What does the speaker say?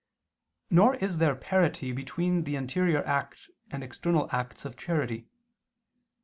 Nor is there parity between the interior act and external acts of charity.